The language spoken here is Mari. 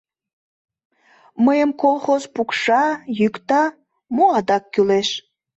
Мыйым колхоз пукша, йӱкта, мо адак кӱлеш?